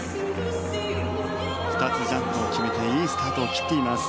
２つジャンプを決めていいスタートを切っています。